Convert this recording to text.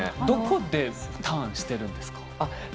どこでターンをしているんですか？